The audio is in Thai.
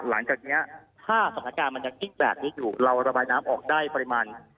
หลังจากนี้ถ้าสถานการณ์มันยังกิ๊กแบบนี้อยู่เราระบายน้ำออกได้ปริมาณ